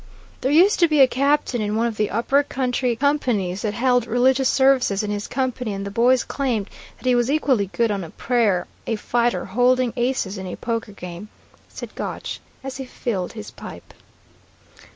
"There used to be a captain in one of the upper country companies that held religious services in his company, and the boys claimed that he was equally good on a prayer, a fight, or holding aces in a poker game," said Gotch, as he filled his pipe.